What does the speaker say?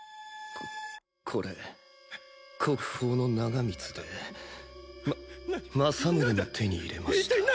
ここれ国宝の長光でま正宗も手に入れましたな